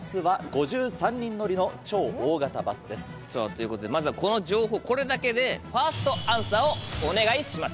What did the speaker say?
さぁということでまずはこの情報これだけでファーストアンサーをお願いします。